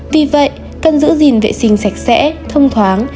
vì vậy cần giữ gìn vệ sinh sạch sẽ thông thoáng